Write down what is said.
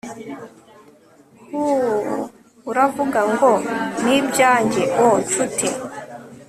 Huh Uravuga ngo ni ibyanjye Oh nshuti